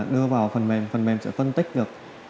đưa vào phần mềm phần mềm sẽ phân tích được